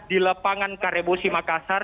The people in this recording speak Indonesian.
di lapangan karebosi makassar